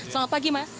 selamat pagi mas